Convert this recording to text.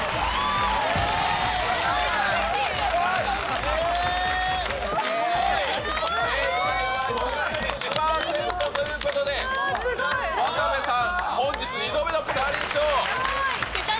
すごい！１１％ということで、渡部さん、本日２度目のピタリ賞。